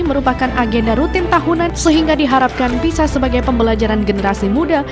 merupakan agenda rutin tahunan sehingga diharapkan bisa sebagai pembelajaran generasi muda